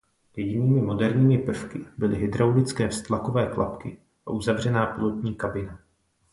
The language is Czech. Jedinými moderními prvky byly hydraulické vztlakové klapky a uzavřená pilotní kabina.